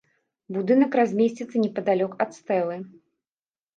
Будынак размесціцца непадалёк ад стэлы.